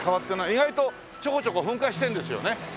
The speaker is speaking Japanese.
意外とちょこちょこ噴火してるんですよね。